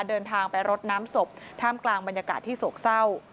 เดินทางไปรดน้ำศพท่ามกลางบรรยากาศที่โศกเศร้า